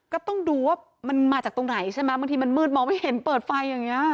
ก็ต้องดูว่ามันมาจากตรงไหนใช่ไหมบางทีมันมืดมองไม่เห็นเปิดไฟอย่างนี้